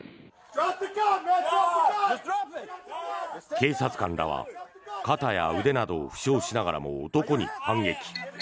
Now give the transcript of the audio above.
警察官らは肩や腕などを負傷しながらも男に反撃。